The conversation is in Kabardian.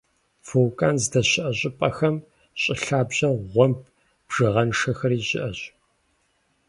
Вулкан здэщыӀэ щӀыпӀэхэм щӀы лъабжьэм гъуэмб бжыгъэншэхэри щыӀэщ.